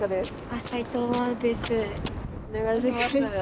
お願いします。